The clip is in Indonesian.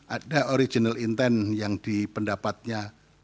ada original intent yang di pendapatnya